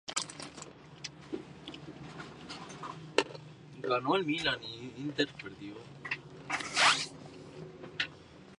El expresidente se enfrentó a varias causas penales por administración fraudulenta.